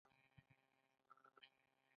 تر هډ، هډ مې د چوپتیا دا یره تاو وه